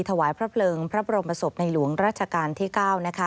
ถวายพระเพลิงพระบรมศพในหลวงราชการที่๙นะคะ